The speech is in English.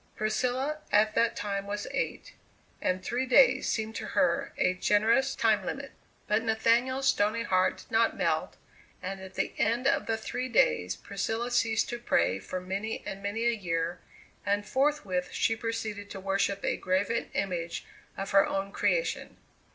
Priscilla at that time was eight, and three days seemed to her a generous time limit. But Nathaniel's stony heart did not melt, and at the end of the three days Priscilla ceased to pray for many and many a year, and forthwith she proceeded to worship a graven image of her own creation.